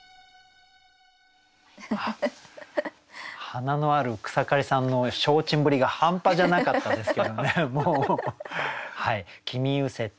華のある草刈さんの消沈ぶりが半端じゃなかったですけどね。